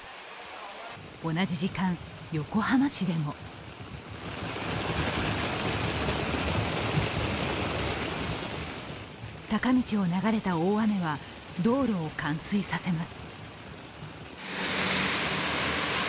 同じ時間、横浜市でも坂道を流れた大雨は道路を冠水させます。